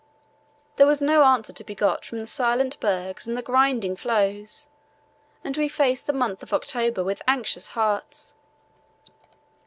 There was no answer to be got from the silent bergs and the grinding floes, and we faced the month of October with anxious hearts.